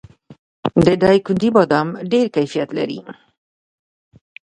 د دایکنډي بادام ډیر کیفیت لري.